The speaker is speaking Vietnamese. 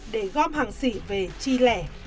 để gom hàng sỉ về chi lẻ